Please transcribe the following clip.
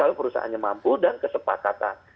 kalau perusahaannya mampu dan kesepakatan